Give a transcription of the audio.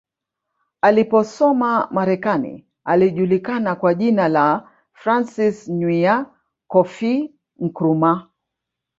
Aliposoma Marekani alijulikana kwa jina la Francis Nwia Kofi Nkrumah